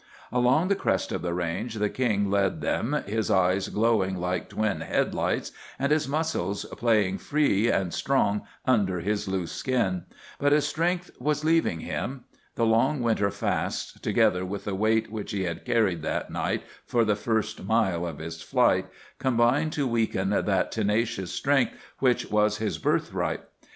Along the crest of the range the King led them, his eyes glowing like twin headlights, and his muscles playing free and strong under his loose skin. But his strength was leaving him. The long winter fasts, together with the weight which he had carried that night for the first mile of his flight, combined to weaken that tenacious strength which was his birthright.